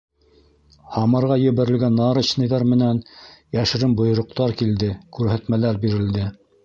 Һамарға ебәрелгән нарочныйҙар менән йәшерен бойороҡтар килде, күрһәтмәләр бирелде.